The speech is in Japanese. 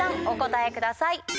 お答えください。